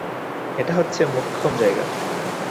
এটা হচ্ছে মোক্ষম জায়গা।